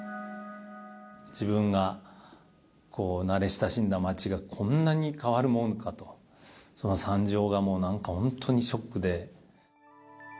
自分が慣れ親しんだ街が、こんなに変わるもんかと、その惨状がもう、なんか本当にショックで。